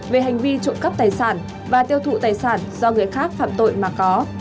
về hành vi trộm cắp tài sản và tiêu thụ tài sản do người khác phạm tội mà có